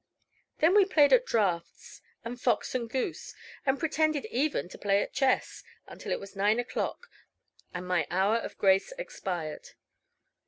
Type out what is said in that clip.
Then we played at draughts, and fox and goose, and pretended even to play at chess, until it was nine o'clock, and my hour of grace expired.